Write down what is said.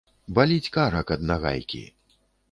Баліць карак ад нагайкі.